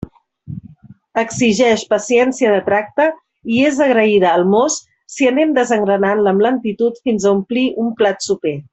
Exigeix paciència de tracte i és agraïda al mos si anem desengranant-la amb lentitud fins a omplir un plat soper.